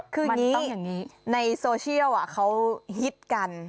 คืออย่างนี้ในโซเชียลเขาฮิตกัน